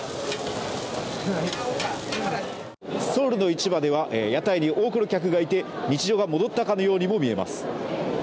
ソウルの市場では屋台に多くの客がいて日常が戻ったかのようにも見えます。